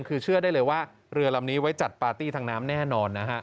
คือเชื่อได้เลยว่าเรือลำนี้ไว้จัดปาร์ตี้ทางน้ำแน่นอนนะฮะ